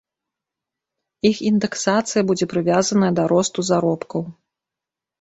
Іх індэксацыя будзе прывязаная да росту заробкаў.